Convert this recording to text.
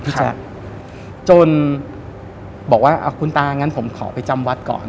แจ๊คจนบอกว่าคุณตางั้นผมขอไปจำวัดก่อน